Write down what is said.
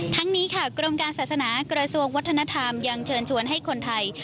ทั้งนี้ค่ะกรมการศาสนากระทรวงวัฒนธรรมยังเชิญชวนให้คนไทย